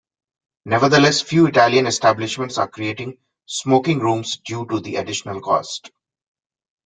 Nevertheless, few Italian establishments are creating smoking rooms due to the additional cost.